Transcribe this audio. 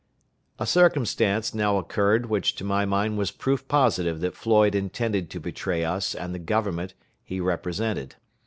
A circumstance now occurred which to my mind was proof positive that Floyd intended to betray us and the Government he represented.